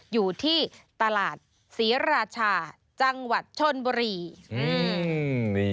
โอ้อยู่ที่ตลาดศรีราชาจังหวัดชนบรีอืมนี่